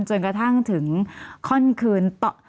จนกระทั่งถึงข้อนคืน